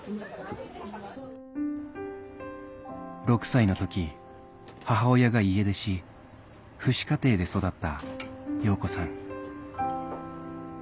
６歳の時母親が家出し父子家庭で育った陽子さん